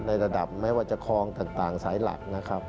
ในระดับไม่ว่าจะคลองต่างสายหลักนะครับ